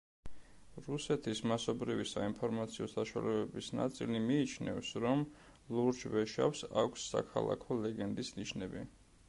რუსეთის მასობრივი საინფორმაციო საშუალებების ნაწილი მიიჩნევს, რომ ლურჯ ვეშაპს აქვს საქალაქო ლეგენდის ნიშნები.